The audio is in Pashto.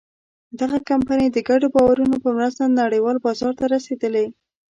دغه کمپنۍ د ګډو باورونو په مرسته نړۍوال بازار ته رسېدلې.